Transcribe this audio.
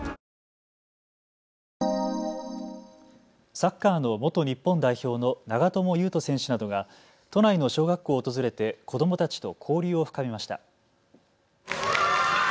サッカーの元日本代表の長友佑都選手などが都内の小学校を訪れて子どもたちと交流を深めました。